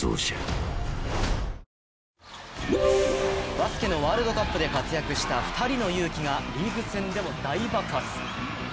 バスケのワールドカップで活躍した２人のユウキがリーグ戦でも大爆発。